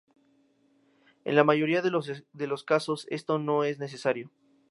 En la mayoría de los casos esto no es necesario.